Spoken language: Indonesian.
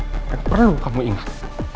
dan perlu kamu ingat